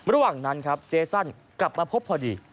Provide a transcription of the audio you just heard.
ระหว่างนั้นครับเจสันกลับมาพบพอดี